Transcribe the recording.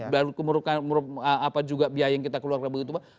dan kemurungan juga biaya yang kita keluarkan begitu banyak